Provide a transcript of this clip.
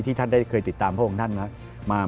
ที่ท่านเคยติดตามพวกของท่านนะครับ